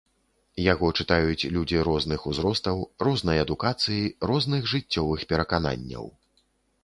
Яго чытаюць людзі розных узростаў, рознай адукацыі, розных жыццёвых перакананняў.